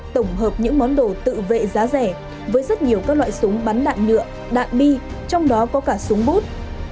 tổng hợp những món đồ tự vệ giá rẻ với rất nhiều các loại súng bắn đạn nhựa đạn bi trong đó có cả súng bút